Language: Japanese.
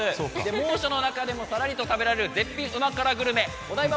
猛暑の中でもさらりと食べられる絶品うま辛グルメお台場